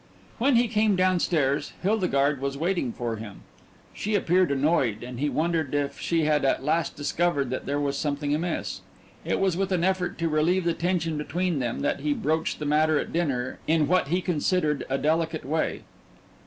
When he came downstairs Hildegarde was waiting for him. She appeared annoyed, and he wondered if she had at last discovered that there was something amiss. It was with an effort to relieve the tension between them that he broached the matter at dinner in what he considered a delicate way.